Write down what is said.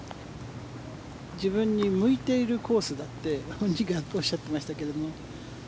自分に向いているコースだって本人がおっしゃっていましたけど。